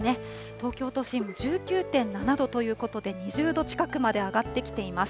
東京都心、１９．７度ということで、２０度近くまで上がってきています。